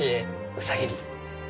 ウサギに。